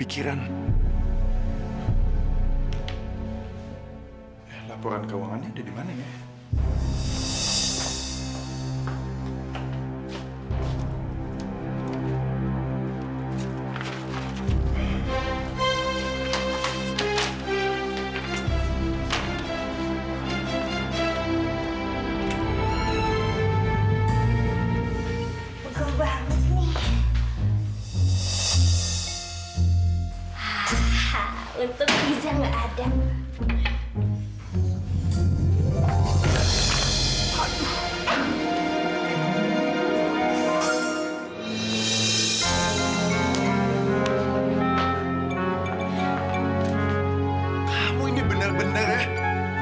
kamu ini bener bener ya